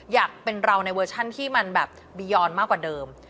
อยากเป็นเราในเวอร์ชันที่มันแบบบียอนมากกว่าเดิม